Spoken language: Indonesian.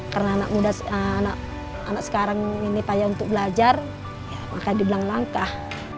karena anak sekarang ini payah untuk belajar maka dibilang langkah